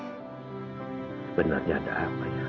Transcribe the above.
sebenarnya ada apa ya